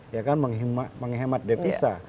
ya kan menghemat devisa